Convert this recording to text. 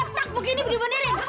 botak begini dibenerin